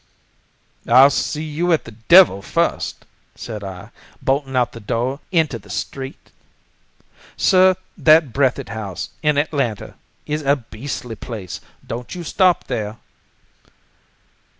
"'I'll see you at the devil first!' said I, bolting out of the door into the street. "Sir, that Breathitt House, in Atlanta, is a beastly place! Don't you stop there."